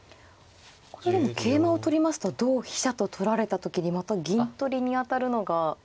これでも桂馬を取りますと同飛車と取られた時にまた銀取りに当たるのが。